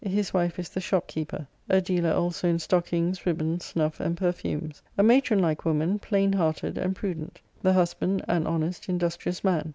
His wife is the shop keeper. A dealer also in stockings, ribbands, snuff, and perfumes. A matron like woman, plain hearted, and prudent. The husband an honest, industrious man.